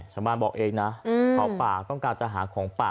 ชาวบ้านบอกเองนะเผาป่าต้องการจะหาของป่า